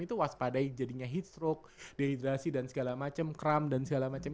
itu waspadai jadinya heatstroke dehydrasi dan segala macem kram dan segala macem